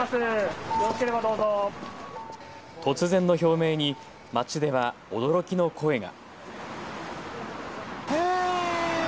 突然の表明に街では驚きの声が。